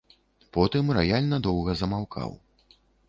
Потым раяль надоўга замаўкаў.